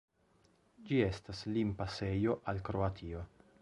Ĝi estas limpasejo al Kroatio.